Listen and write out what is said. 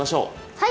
はい。